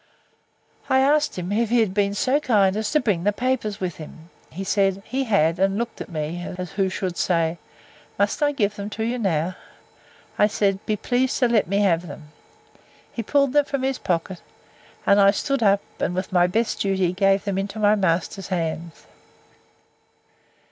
I asked him, If he had been so kind as to bring the papers with him? He said, He had; and looked at me, as who should say, Must I give them to you now?—I said, Be pleased to let me have them. He pulled them from his pocket; and I stood up, and, with my best duty, gave them into my master's hands.